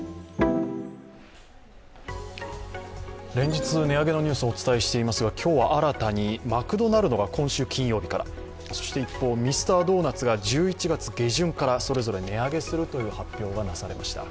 連日、値上げのニュースお伝えしていますが今日は新たにマクドナルドが今週金曜日からそして一方、ミスタードーナツが１１月下旬からそれぞれ値上げするという発表がなされました。